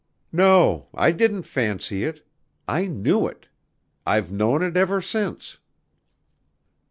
"No, I didn't fancy it ... I knew it ... I've known it ever since."